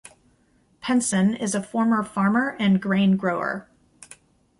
Penson is a former farmer and grain grower.